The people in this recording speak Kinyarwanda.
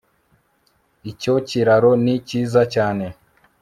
icyo kiraro ni cyiza cyane